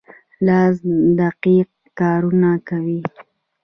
لاس دقیق کارونه کوي.